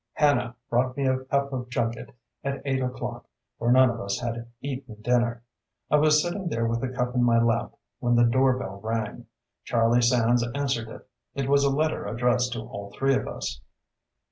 Hannah brought me a cup of junket at eight o'clock, for none of us had eaten dinner. I was sitting there with the cup in my lap when the doorbell rang. Charlie Sands answered it. It was a letter addressed to all three of us.